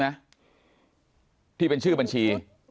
ใช่ไหมที่เป็นชื่อบัญชี